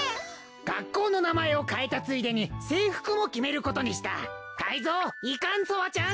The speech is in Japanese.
学校の名前を変えたついでに制服も決めることにしたタイゾウイカンソワちゃん。